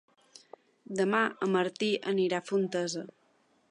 Demà en Martí anirà a Montesa.